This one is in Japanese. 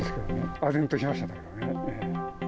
あぜんとしましたね。